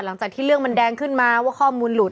หลังจากที่เรื่องมันแดงขึ้นมาว่าข้อมูลหลุด